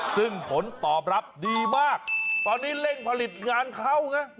ซึ่งผลตอบรับดีมากตอนนี้เร่งผลิตงานเข้าไง